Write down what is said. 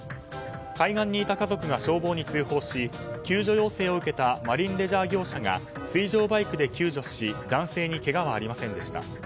海岸にいた家族が消防に通報し救助要請を受けたマリンレジャー業者が水上バイクで救助し男性にけがはありませんでした。